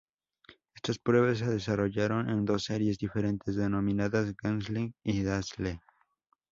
Estas pruebas se desarrollaron en dos series diferentes, denominadas Gaslight y Dazzle.